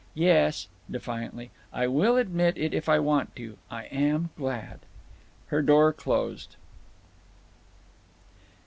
Yes," defiantly, "I will admit it if I want to! I am glad!" Her door closed.